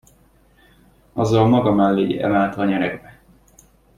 Azzal maga mellé emelte a nyeregbe.